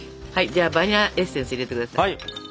じゃあバニラエッセンス入れて下さい。